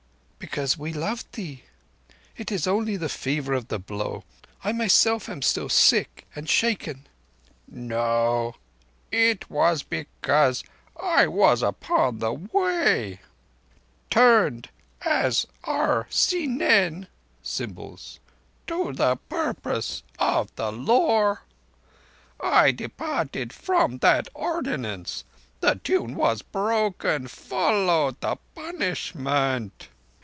"Because we loved thee. It is only the fever of the blow. I myself am still sick and shaken." "No! It was because I was upon the Way—tuned as are si nen (cymbals) to the purpose of the Law. I departed from that ordinance. The tune was broken: followed the punishment.